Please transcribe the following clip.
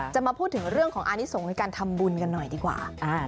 มาพูดถึงเรื่องของอานิสงฆ์ในการทำบุญกันหน่อยดีกว่า